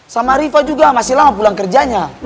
sama riva juga masih lama pulang kerjanya